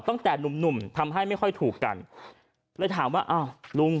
ตั้งแต่หนุ่มหนุ่มทำให้ไม่ค่อยถูกกันเลยถามว่าอ้าวลุง